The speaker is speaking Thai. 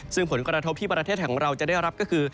ซึ่งผลกระทบที่ประเทศของเราจะได้รับก็คือ